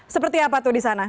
seperti apa tuh disana